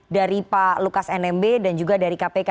dari pak lukas nmb dan juga dari kpk